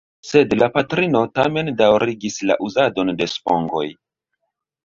Sed la patrino tamen daŭrigis la uzadon de spongoj.